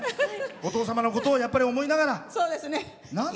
お父様のことをやっぱり思いながら。